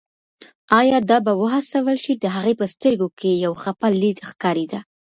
ایا دا به وهڅول شي، د هغې په سترګو کې یو خپه لید ښکارېده.